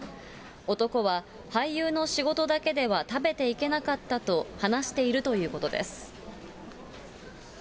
男は、俳優の仕事だけでは食べていけなかったと話しているということです。